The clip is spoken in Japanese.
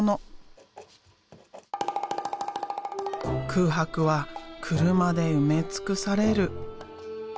空白は車で埋め尽くされる。